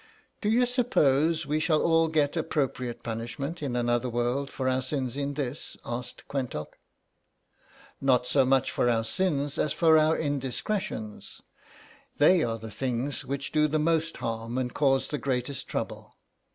"Do you suppose we shall all get appropriate punishments in another world for our sins in this?" asked Quentock. "Not so much for our sins as for our indiscretions; they are the things which do the most harm and cause the greatest trouble.